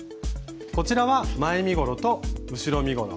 こちらは前身ごろと後ろ身ごろ。